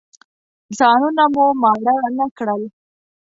ځانونه مو ماړه نه کړل.